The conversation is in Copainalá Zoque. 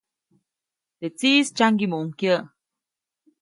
Teʼ tsiʼis tsyaŋgiʼmuʼuŋ kyäʼ.